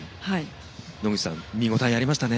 野口さん、見応えありましたね？